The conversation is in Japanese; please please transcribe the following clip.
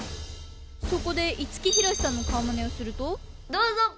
そこで五木ひろしさんの顔マネをするとどうぞ！